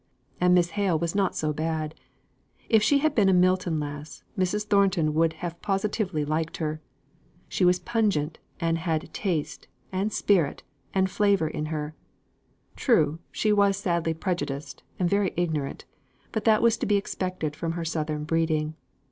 And Miss Hale was not so bad. If she had been a Milton lass, Mrs. Thornton would have positively liked her. She was pungent, and had taste, and spirit, and flavour in her. True, she was sadly prejudiced, and very ignorant; but that was to be expected from her southern breeding.